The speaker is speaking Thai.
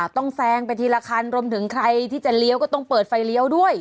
แซงไปทีละคันรวมถึงใครที่จะเลี้ยวก็ต้องเปิดไฟเลี้ยวด้วย